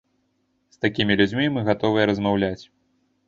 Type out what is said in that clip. З такімі людзьмі мы гатовыя размаўляць.